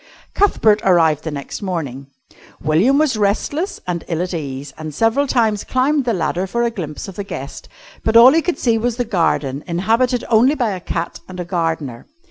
Cuthbert arrived the next morning. William was restless and ill at ease, and several times climbed the ladder for a glimpse of the guest, but all he could see was the garden inhabited only by a cat and a gardener.